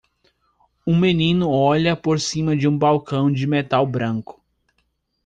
Um menino olha por cima de um balcão de metal branco.